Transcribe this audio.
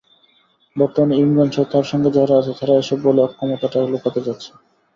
বর্তমানে ইমরানসহ তার সঙ্গে যারা আছে, তারা এসব বলে অক্ষমতাটাকে লুকাতে চাচ্ছে।